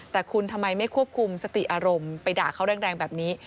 แต่คุณทำไมไม่ควบคุมสติอารมณ์ไปด่าเขาแรงแบบนี้